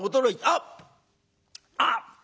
「あっ！あっ！